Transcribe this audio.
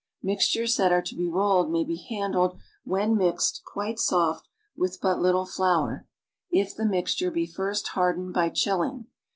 Mixtures that are to be rolled may'be handled when mixed Cjuite soft with but little flour, if the mixture be first hardened by chilling.